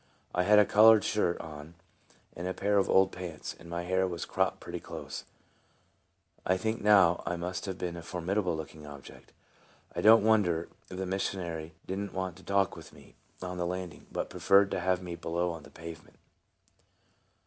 I had a colored shirt on, an old pair of pants, and my hair was cropped pretty close. I think now I must A FRTEND IN NEED. 49 have been a formidable looking object. I don't wonder the missionary didn't want to talk with me on the landing, but preferred to have me below on the pavement.